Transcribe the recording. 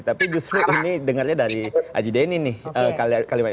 tapi justru ini dengarnya dari haji denny nih